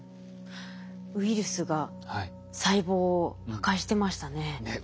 ウイルスが細胞を破壊してましたね。